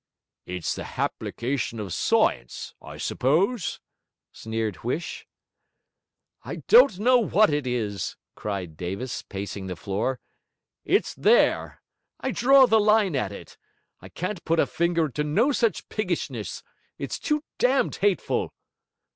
'It's the happlication of science, I suppose?' sneered Huish. 'I don't know what it is,' cried Davis, pacing the floor; 'it's there! I draw the line at it. I can't put a finger to no such piggishness. It's too damned hateful!'